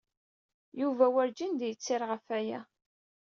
Yuba werǧin d-yettir ɣef waya.